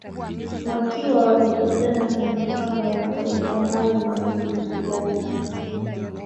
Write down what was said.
wakiwa wamejazana kwenye mpaka wa mataifa hayo mawili jirani